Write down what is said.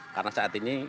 karena saat ini